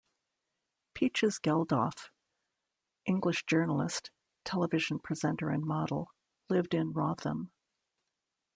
Peaches Geldof, English journalist, television presenter and model, lived in Wrotham.